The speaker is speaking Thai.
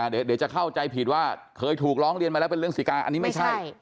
เดี๋ยวจะเข้าใจผิดว่าเคยถูกร้องเรียนมาแล้วเป็นเรื่องสิกาอันนี้ไม่ใช่